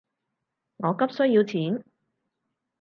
我急需要錢